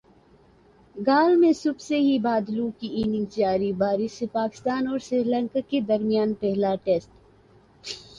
گال میں صبح سے ہی بادلوں کی اننگز جاری بارش سے پاکستان اور سری لنکا کے درمیان پہلا ٹیسٹ تاخیر کا شکار